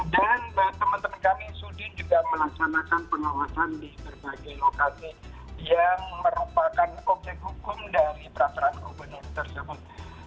dan teman teman kami sudi juga melaksanakan pengawasan di berbagai lokasi yang merupakan objek hukum dari peraturan gubernur tersebut